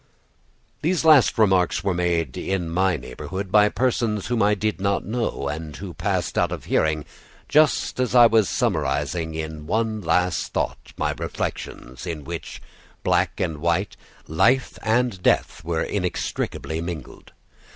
These last remarks were made in my neighborhood by persons whom I did not know, and who passed out of hearing just as I was summarizing in one last thought my reflections, in which black and white, life and death, were inextricably mingled.